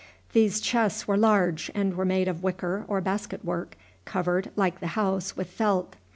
These chests were large, and were made of wicker or basket work, covered, like the house, with felt.